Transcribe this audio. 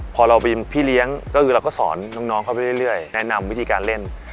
พอเราเป็นพี่เลี้ยงก็คือเราก็สอนน้องเข้าไปเรื่อยแนะนำวิธีการเล่น